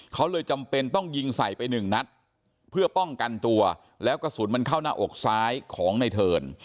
เขาเลยจำเป็นต้องยิงใส่ไปหนึ่งนัดเพื่อป้องกันตัวแล้วกระสุนมันเข้าหน้าอกซ้ายของในเทิร์น